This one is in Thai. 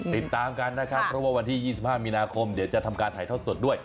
ติดตามกันเพราะวันที่๒๕มีนาคมเดี๋ยวจะทำการถ่ายทอดด้วย